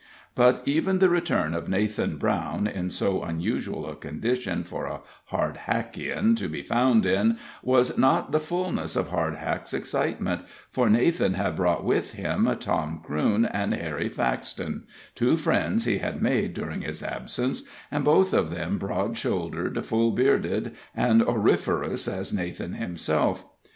But even the return of Nathan Brown, in so unusual a condition for a Hardhackian to be found in, was not the fullness of Hardhack's excitement, for Nathan had brought with him Tom Crewne and Harry Faxton, two friends he had made during his absence, and both of them broad shouldered, full bearded, and auriferous as Nathan himself.